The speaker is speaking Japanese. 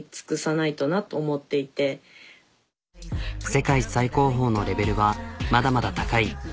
世界最高峰のレベルはまだまだ高い。